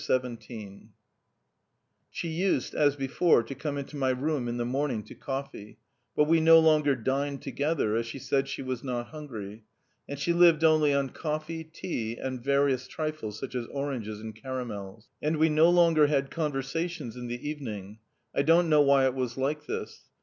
XVII[edit] She used as before to come into my room in the morning to coffee, but we no longer dined together, as she said she was not hungry; and she lived only on coffee, tea, and various trifles such as oranges and caramels. And we no longer had conversations in the evening. I don't know why it was like this.